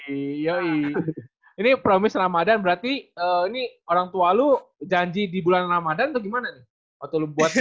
yoi yoi ini promis ramadhan berarti ini orang tua lu janji di bulan ramadhan atau gimana nih waktu lu buat ini